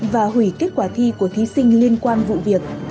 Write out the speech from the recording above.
và hủy kết quả thi của thí sinh liên quan vụ việc